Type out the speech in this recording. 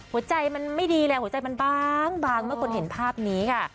หัวใจมันไม่ดีแล้วหัวใจมันบางเมื่อคนเห็นภาพนี้ค่ะ